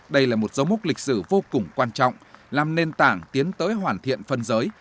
đây là một dấu mốc lịch sử vô cùng quan trọng làm nền tảng tiến tới hoàn thiện phân giới